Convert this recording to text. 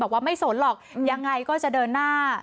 บอกว่าไม่สนหรอกยังไงก็จะเดินหน้า